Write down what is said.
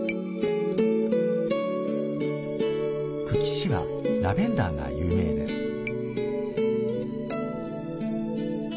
久喜市はラベンダーが有名です。